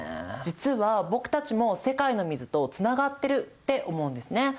実は僕たちも世界の水とつながってるって思うんですね。